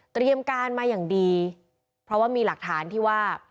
เตรียมการมาอย่างดีเพราะว่ามีหลักฐานที่ว่า